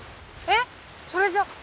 えっそれじゃあ。